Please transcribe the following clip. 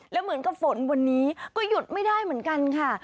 แล้วเหมือนกับฝนวันนี้ก็หยุดไม่ได้เหมือนกันค่ะ